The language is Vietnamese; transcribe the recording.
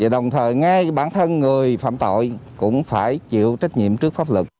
đồng thời ngay bản thân người phạm tội cũng phải chịu trách nhiệm trước pháp luật